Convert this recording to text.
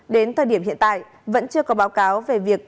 đến thời điểm hiện tại vẫn chưa có báo cáo về việc